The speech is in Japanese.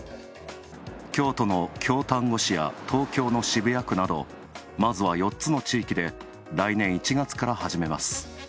京都の京丹後市や東京の渋谷区などまずは４つの地域で来年１月から始めます。